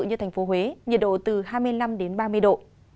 như thành phố huế nhiệt độ từ hai mươi năm đến ba mươi độ